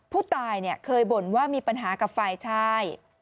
ผู้ตายเนี่ยเคยบ่นว่ามีปัญหากับไฟล์ชาย